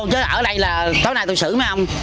chứ ở đây là tối nay tôi xử mấy ông